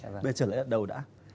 bây giờ trở lại lần đầu đã